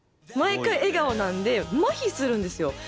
毎回笑顔なんでまひするんですよ。